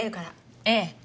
ええ。